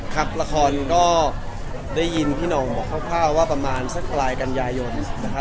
ครับละครก็ได้ยินพี่น้องบอกพระพ่าว่าประมาณสักรายกันยายน